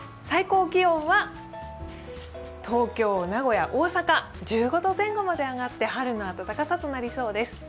最高気温は東京、名古屋、大阪、１５度前後まで上がって春の暖かさとなりそうです。